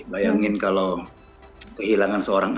bayangin kalau kehilangan seorang